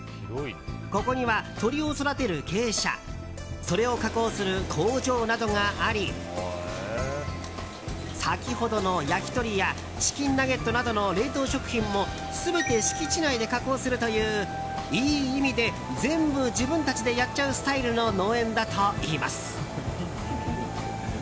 ここには鶏を育てる鶏舎それを加工する工場などがあり先ほどの焼き鳥やチキンナゲットなどの冷凍食品も全て敷地内で加工するといういい意味で、全部自分たちでやっちゃうスタイルの農園だといいます。